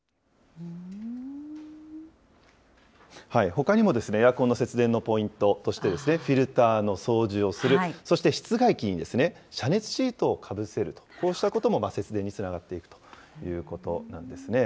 ほかにも、エアコンの節電のポイントとして、フィルターの掃除をする、そして室外機に遮熱シートをかぶせると、こうしたことも節電につながっていくということなんですね。